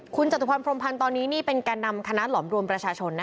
คุณจตุพรพรมพันธ์ตอนนี้นี่เป็นแก่นำคณะหลอมรวมประชาชน